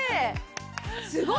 すごい。